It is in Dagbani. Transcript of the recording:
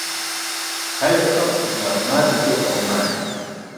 Hali ka ŋariŋ maa ti kpe kom maa ni.